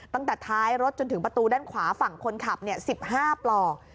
ตั้งแต่ท้ายรถจนถึงประตูด้านขวาฝั่งคนขับเนี่ยสิบห้าปลอก